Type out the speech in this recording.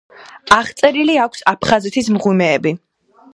აღწერილი აქვს აფხაზეთის მღვიმეები.